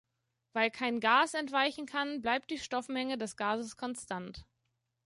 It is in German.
Weil kein Gas entweichen kann, bleibt die Stoffmenge des Gases konstant.